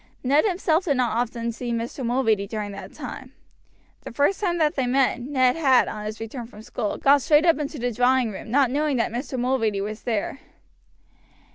Ned himself did not often see Mr. Mulready during that time. The first time that they met, Ned had, on his return from school, gone straight up into the drawing room, not knowing that Mr. Mulready was there.